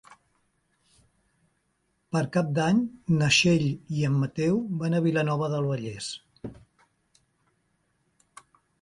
Per Cap d'Any na Txell i en Mateu van a Vilanova del Vallès.